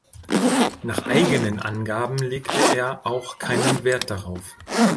Nach eigenen Angaben legte er auch keinen Wert darauf.